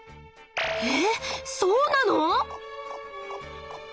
えそうなの？